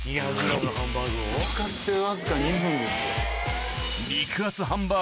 見つかってわずか２分ですよ。